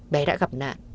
bé đã gặp nạn